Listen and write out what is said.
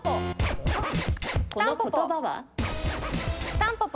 たんぽぽ。